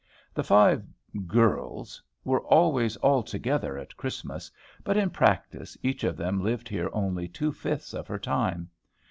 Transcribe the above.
The five "girls" were always all together at Christmas; but, in practice, each of them lived here only two fifths of her time.